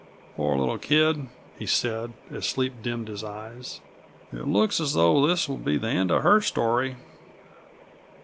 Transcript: "Poor little kid," he said, as sleep dimmed his eyes; "it looks as though this would be the end of her story."